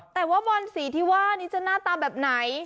แต่ว่าบอนสีที่ว่านี้จะหน้าตาแบบไหน